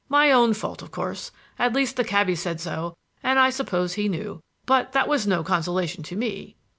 My own fault, of course at least, the cabby said so, and I suppose he knew. But that was no consolation to me."